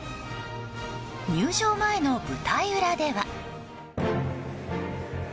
入場前の舞台裏では。